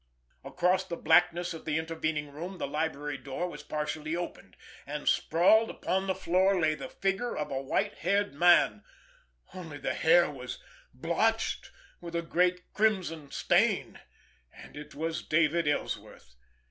Across the blackness of the intervening room the library door was partially open, and sprawled upon the floor lay the figure of a white haired man, only the hair was blotched with a great crimson stain—and it was David Ellsworth.